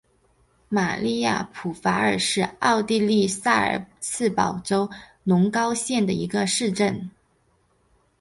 玛丽亚普法尔是奥地利萨尔茨堡州隆高县的一个市镇。